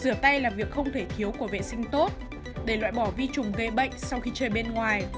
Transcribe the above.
rửa tay là việc không thể thiếu của vệ sinh tốt để loại bỏ vi trùng gây bệnh sau khi chơi bên ngoài